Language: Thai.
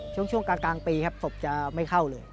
ช่วงกลางปีครับศพจะไม่เข้าเลย